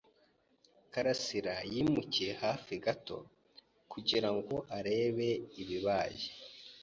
Karasirayimukiye hafi gato kugirango arebe ibibaye.